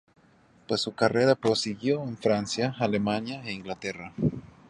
Pues su carrera prosiguió en Francia, Alemania e Inglaterra.